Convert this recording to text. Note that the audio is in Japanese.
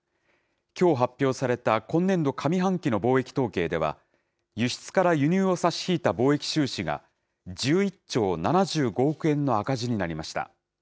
きょう発表された今年度上半期の貿易統計では、輸出から輸入を差し引いた貿易収支が、１１兆７５億円の赤字になりました。